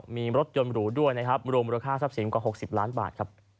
มีรถยนต์หมู่ด้วยรวมราคาทับสินกว่า๖๐ล้านบาท